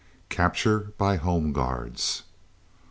CAPTURED BY HOME GUARDS.